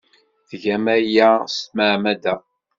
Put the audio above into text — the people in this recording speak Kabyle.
Tgam aya s tmeɛmada!